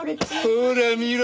ほら見ろ！